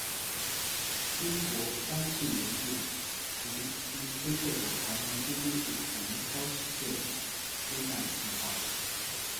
英国詹氏年鉴曾经推测过台湾究竟是怎么开始这种飞弹的计划。